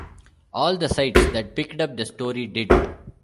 All the sites that picked up the story did.